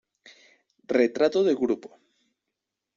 Retrato de grupo".